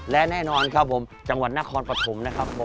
และแน่นอนครับผมจังหวัดนครปฐมนะครับผม